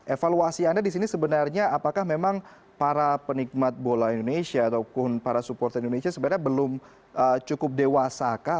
evaluasi anda disini sebenarnya apakah memang para penikmat bola indonesia ataupun para supporter indonesia sebenarnya belum cukup dewasakah